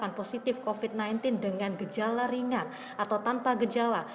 pasien positif covid sembilan belas dengan gejala ringan atau tanpa gejala